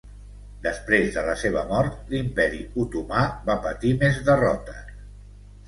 Després de la seva mort, l'Imperi Otomà va patir més derrotes.